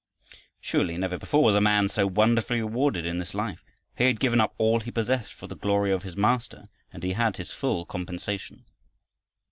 Surely never before was a man so wonderfully rewarded in this life. He had given up all he possessed for the glory of his Master and he had his full compensation.